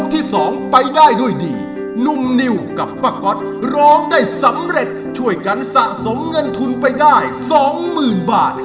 เทียมทุนไปได้๒๐๐๐๐บาท